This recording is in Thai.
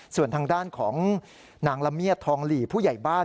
ส่วนทางด้านของนางละเมียดทองหลีผู้ใหญ่บ้าน